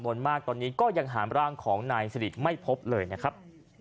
มากตอนนี้ก็ยังหามร่างของนายสิริไม่พบเลยนะครับ